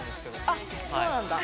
あそうなんだ。